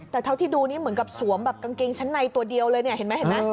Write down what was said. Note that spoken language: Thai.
แต่เท่าที่ดูนี่เหมือนกับสวมกางเกงชั้นในตัวเดียวเลยเห็นไหม